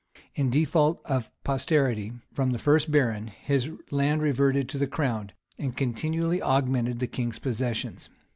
In default of posterity from the first baron, his land reverted to the crown, and continually augmented the king's possessions.